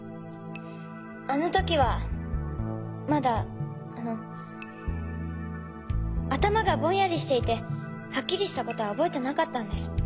あの時はまだあの頭がぼんやりしていてはっきりしたことは覚えてなかったんです。